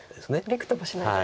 びくともしないと。